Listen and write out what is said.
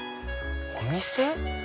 お店？